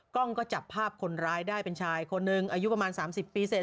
กล้องก็จับภาพคนร้ายได้เป็นชายคนหนึ่งอายุประมาณ๓๐ปีเสร็จ